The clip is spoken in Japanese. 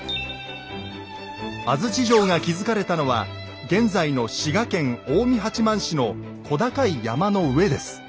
安土城が築かれたのは現在の滋賀県近江八幡市の小高い山の上です。